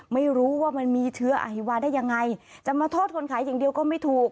ไม่รู้ว่ามันมีเชื้ออฮิวาได้ยังไงจะมาโทษคนขายอย่างเดียวก็ไม่ถูก